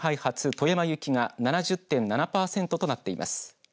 富山行きが７０．７パーセントとなっています。